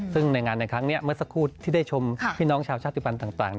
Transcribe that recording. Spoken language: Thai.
ซึ่งในงานในครั้งนี้เมื่อสักครู่ที่ได้ชมพี่น้องชาวชาติภัณฑ์ต่าง